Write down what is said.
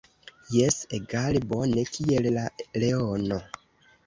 Jes, egale bone kiel la leono.